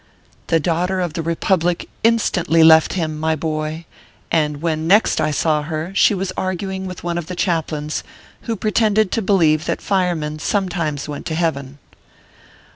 The daughter of the Kepublic instantly left him, my boy ; and when next I saw her, she was arguing with one of the chaplains, who pretended to believe that firemen sometimes went to Heaven.